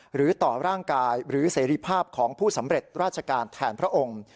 หรือต่อร่างกายหรือเสรีภาพของผู้สำเร็จราชการแทนพระองค์